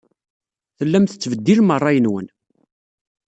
Tellam tettbeddilem ṛṛay-nwen.